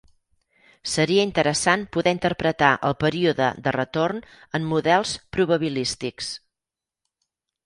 Seria interessant poder interpretar el període de retorn en models probabilístics.